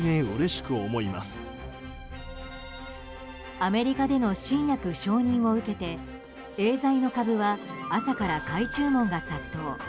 アメリカでの新薬承認を受けてエーザイの株は朝から買い注文が殺到。